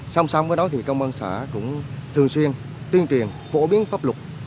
song song với đó thì công an xã cũng thường xuyên tuyên truyền phổ biến pháp luật